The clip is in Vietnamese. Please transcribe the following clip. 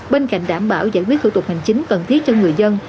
bên cạnh đảm bảo giải quyết thủ tục hành chính cần thiết cho người dân